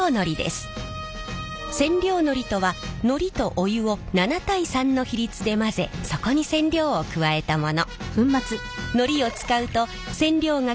染料のりとはのりとお湯を７対３の比率で混ぜそこに染料を加えたもの。